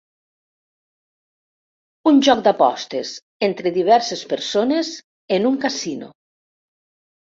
Un joc d'apostes entre diverses persones en un casino.